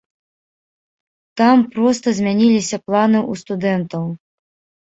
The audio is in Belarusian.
Там проста змяніліся планы ў студэнтаў.